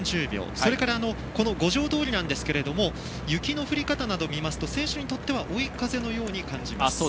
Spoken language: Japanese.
それから、五条通なんですが雪の降り方など見ますと選手にとっては追い風のように感じます。